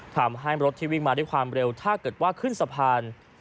ทำให้รถที่วิ่งมาด้วยความเร็วถ้าเกิดว่าขึ้นสะพาน